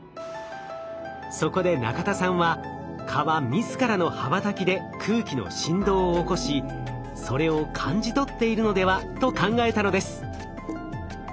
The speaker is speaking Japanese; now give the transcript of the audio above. そこで中田さんは蚊は自らの羽ばたきで空気の振動を起こしそれを感じ取っているのではと考えたのです。